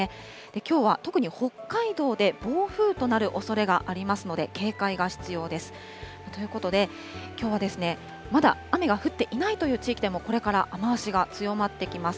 きょうは特に北海道で暴風となるおそれがありますので、警戒が必要です。ということで、きょうはまだ雨が降っていないという地域でも、これから雨足が強まってきます。